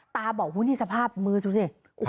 ตาบอกว่านี่สภาพมือซุดิ